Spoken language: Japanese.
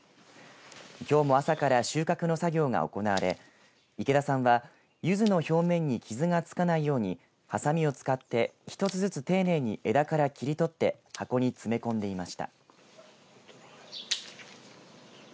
きょうも朝から収穫の作業が行われ池田さんはユズの表面に傷がつかないようにはさみを使って一つずつ丁寧に枝から切り取って箱に詰め込んでいました。